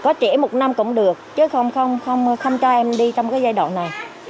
có trẻ một năm cũng được chứ không cho em đi trong cái giai đoạn này